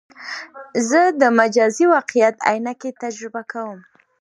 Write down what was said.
زه د مجازي واقعیت عینکې تجربه کوم.